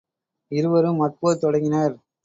இருவரும் மற்போர் தொடங்கினர்.